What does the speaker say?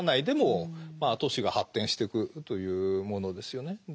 でも都市が発展してくというものですよね。